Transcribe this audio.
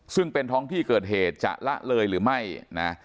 ซึ่งเป็นท้องที่เกิดเหตุจะละเลยหรือไม่นะ